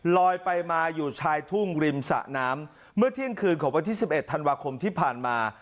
ลอยไปมาอยู่ชายทุ่งริมสะน้ำเมื่อเที่ยงคืนของวันที่๑๑ธันวาคมที่ผ่านมา